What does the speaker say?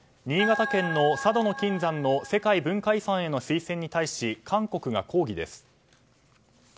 新潟県の佐渡島の金山の世界文化遺産への推薦に対し韓国が抗議です。